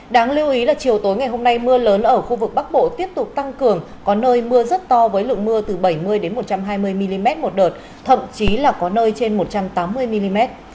đáng lưu ý là chiều tối ngày hôm nay mưa lớn ở khu vực bắc bộ tiếp tục tăng cường có nơi mưa rất to với lượng mưa từ bảy mươi một trăm hai mươi mm một đợt thậm chí là có nơi trên một trăm tám mươi mm